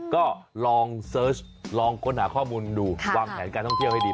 ก็ลองเสิร์ชลองค้นหาข้อมูลดูวางแผนการท่องเที่ยวให้ดี